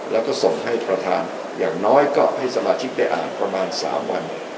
แล้วก็ส่งให้ประธานอย่างน้อยก็ให้สมาชิกได้อ่านประมาณ๓วัน